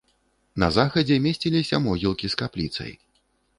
На захадзе месціліся могілкі з капліцай.